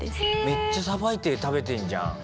めっちゃさばいて食べてるじゃん。